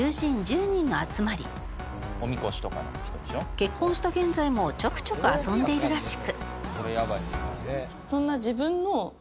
結婚した現在もちょくちょく遊んでいるらしく。